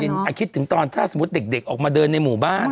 คิดถึงตอนถ้าสมมุติเด็กออกมาเดินในหมู่บ้าน